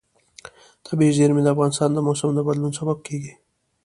طبیعي زیرمې د افغانستان د موسم د بدلون سبب کېږي.